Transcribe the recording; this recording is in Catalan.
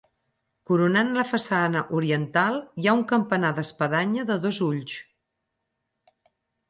Coronant la façana oriental hi ha un campanar d'espadanya de dos ulls.